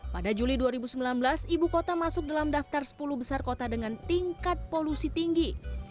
pada juli dua ribu sembilan belas ibu kota masuk dalam daftar sepuluh besar kota dengan tingkat polusi tinggi